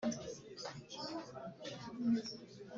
Ntiwongere kwigunga ngo wegereze